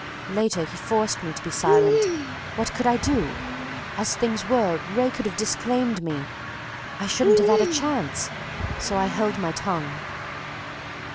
Later he forced me to be silent. What could I do? As things were, Wraye could have disclaimed me I shouldn't have had a chance. So I held my tongue."